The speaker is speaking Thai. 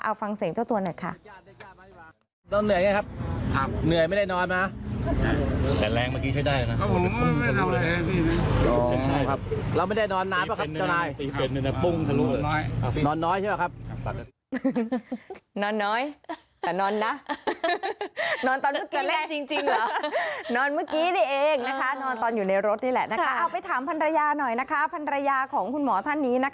เอาฟังเสียงเจ้าตัวหน่อยค่ะ